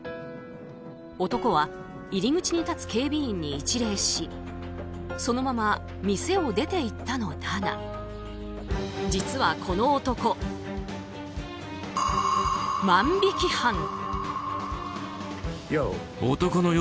男は入り口に立つ警備員に一礼しそのまま店を出ていったのだが実は、この男、万引き犯。